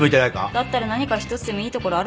だったら何か一つでもいいところあるんですか？